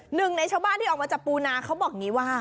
หนึ่งในชาวบ้านที่ออกมาจับปูนาเขาบอกอย่างนี้ว่า